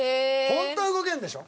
ホントは動けるんでしょ？